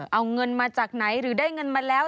เอาเงินมาจากไหนหรือได้เงินมาแล้ว